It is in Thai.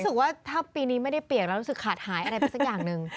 ว่าถ้าปีนี้ไม่ได้เปียกแล้วรู้สึกขาดหายอะไรไปสักอย่างหนึ่ง